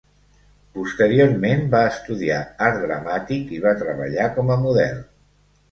Posteriorment, va estudiar art dramàtic i va treballar com a model.